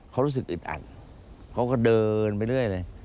เขารู้สึกอึดอัดเขาก็เดินไปเรื่อยเลย